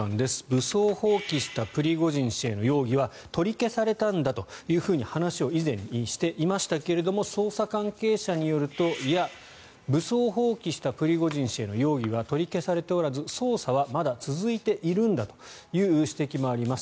武装蜂起したプリゴジン氏への容疑は取り消されたんだというふうに話を以前していましたが捜査関係者によるといや、武装蜂起したプリゴジン氏への容疑は取り消されておらず捜査はまだ続いているんだという指摘もあります。